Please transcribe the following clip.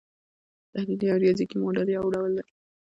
تحلیلي او ریاضیکي موډل یو ډول دی.